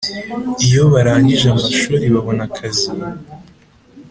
iyo barangije amashuri babona akazi